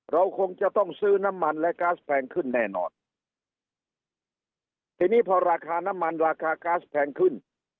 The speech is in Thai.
เราคงจะต้องซื้อน้ำมันและก๊าซแพงขึ้นแน่นอนทีนี้พอราคาน้ำมันราคาก๊าซแพงขึ้น